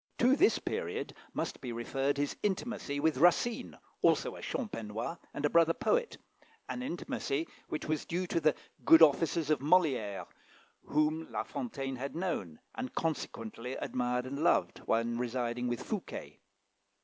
To this period must be referred his intimacy with Racine, also a "Champenois," and a brother poet an intimacy which was due to the good offices of Molière, whom La Fontaine had known, and, consequently admired and loved, when residing with Fouquet.